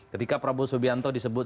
ketika prabowo subianto disebut